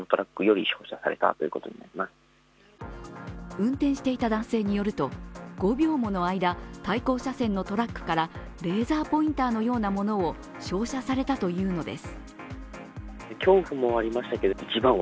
運転していた男性によると、５秒もの間対向車線のトラックから、レーザーポインターのようなものを照射されたというのです。